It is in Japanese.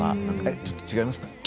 ちょっと違いますか。